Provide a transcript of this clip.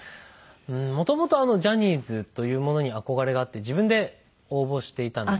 もともとジャニーズというものに憧れがあって自分で応募していたんですよね。